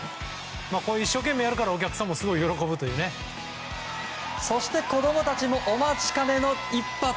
こういう一生懸命にやるからお客さんも子供たちもお待ちかねの一発。